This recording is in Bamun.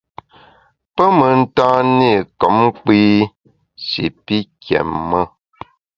Pe mentan-i kom kpi shi pi kiém-e.